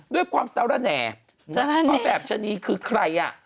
ด้วยความเศร้าแหล่ภาพแบบชะนีคือใคร